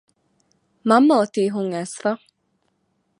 މަންމަ އޮތީ ހުން އައިސްފަ